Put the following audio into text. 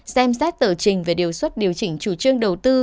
xem xét tờ trình về đề xuất điều chỉnh chủ trương đầu tư